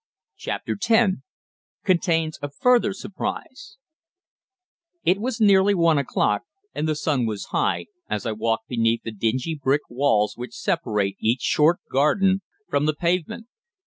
CHAPTER TEN CONTAINS A FURTHER SURPRISE It was nearly one o'clock, and the sun was high, as I walked beneath the dingy brick walls which separate each short garden from the pavement.